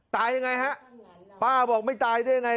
ตายยังไงฮะป้าบอกไม่ตายได้ยังไง